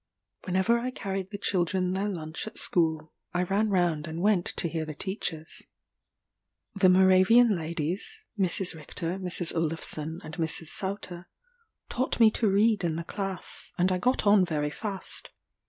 Whenever I carried the children their lunch at school, I ran round and went to hear the teachers. The Moravian ladies (Mrs. Richter, Mrs. Olufsen, and Mrs. Sauter) taught me to read in the class; and I got on very fast.